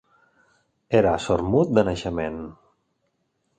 Era sordmut de naixement.